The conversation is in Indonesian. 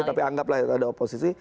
tapi anggaplah ada oposisi